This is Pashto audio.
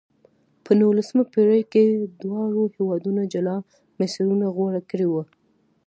په نولسمه پېړۍ کې دواړو هېوادونو جلا مسیرونه غوره کړې وې.